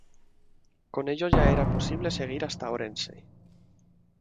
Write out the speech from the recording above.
Con ello, ya era posible seguir hasta Orense.